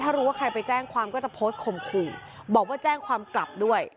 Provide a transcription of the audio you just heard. ถ้ารู้ว่าใครไปแจ้งความก็จะโพสต์ข่มขู่บอกว่าแจ้งความกลับด้วย